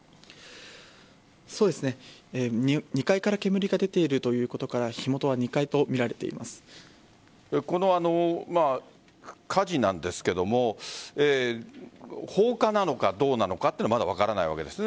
２階から煙が出ているということからこの火事ですが放火なのかどうなのかはまだ分からないわけですね？